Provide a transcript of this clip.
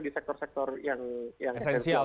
di sektor sektor yang esensial